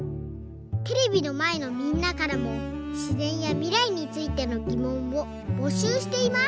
テレビのまえのみんなからもしぜんやみらいについてのぎもんをぼしゅうしています！